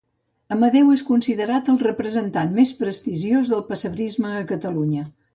Amadeu és considerat el representant més prestigiós del pessebrisme a Catalunya.